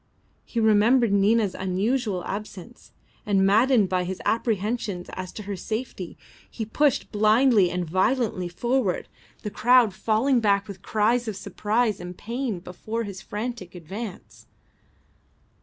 He remembered Nina's unusual absence, and maddened by his apprehensions as to her safety, he pushed blindly and violently forward, the crowd falling back with cries of surprise and pain before his frantic advance.